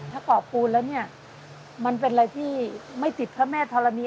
ถ้าก่อปูนแล้วเนี่ยมันเป็นอะไรที่ไม่ติดพระแม่ธรณี